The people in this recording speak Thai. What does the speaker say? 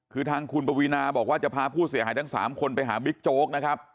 คือทางคุณปวีนาบอกว่าจะพาผู้เสียหายทั้ง๓คนไปหาบิ๊กโจ๊กนะครับ